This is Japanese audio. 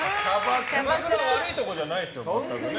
キャバクラ悪いところじゃないですよ。